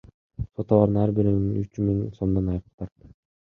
Сот алардын ар бирин үч миң сомдон айыпка тартты.